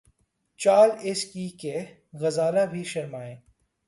چال اس کی کہ، غزال بھی شرمائیں